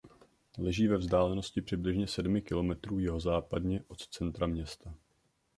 Leží ve vzdálenosti přibližně sedmi kilometrů jihozápadně od centra města.